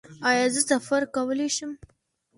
ایا زه سفر کولی شم؟